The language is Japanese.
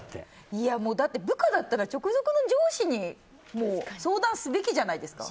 いやもう、だって部下だったら直属の上司に相談すべきじゃないですか